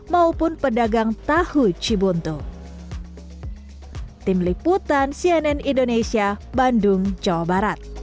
maupun pedagang tahu cibuntu